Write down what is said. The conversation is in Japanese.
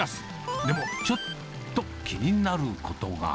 でも、ちょっと気になることが。